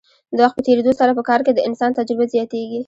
د وخت په تیریدو سره په کار کې د انسان تجربه زیاتیږي.